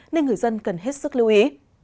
nên người dân cần hết sức lưu ý